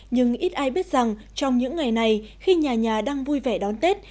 nhưng ít ai biết rằng trong những ngày này khi nhà nhà đang vui vẻ đón tết